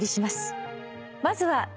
まずは。